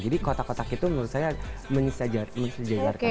jadi kotak kotak itu menurut saya mensejarkan